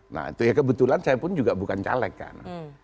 nah itu ya kebetulan saya pun juga bukan caleg kan